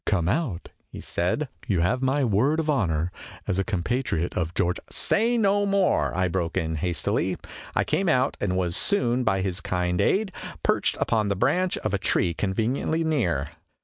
" Come out," he said. " You have my word of honor, as a com patriot of George " Say no more !'" I broke in hastily. I came out, and was soon, by his kind aid, perched upon the branch of a tree conveniently near.